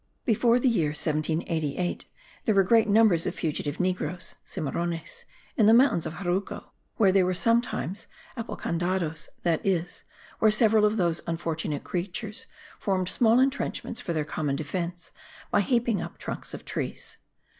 Before the year 1788 there were great numbers of fugitive negroes (cimmarones) in the mountains of Jaruco, where they were sometimes apalancados, that is, where several of those unfortunate creatures formed small intrenchments for their common defence by heaping up trunks of trees.